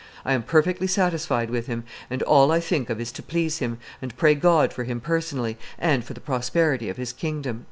"I am perfectly satisfied with him, and all I think of is to please him, and pray God for him personally, and for the prosperity of his kingdom."